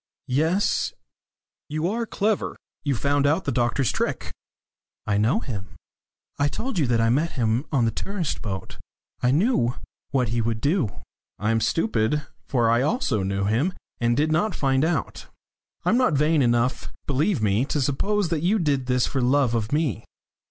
"Yes. You are clever you found out the doctor's trick." "I know him. I told you that I met him on the tourist boat. I knew what he would do." "I am stupid for I also knew him, and did not find out. I'm not vain enough, believe me, to suppose that you did this for love of me."